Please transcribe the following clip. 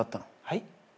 はい？